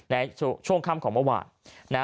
ในช่วงค่ำของเมื่อวาน